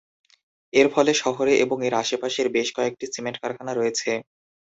এর ফলে, শহরে এবং এর আশেপাশে বেশ কয়েকটি সিমেন্ট কারখানা রয়েছে।